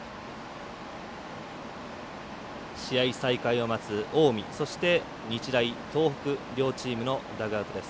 試合再開を待つ近江日大東北、両チームのダグアウトです。